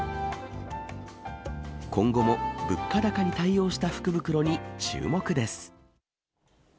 今後も物価高に対応した福袋に注目です。